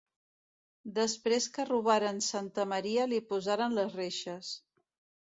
Després que robaren Santa Maria li posaren les reixes.